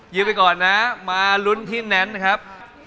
ไปก่อนนะมาลุ้นที่แนนซ์ครับ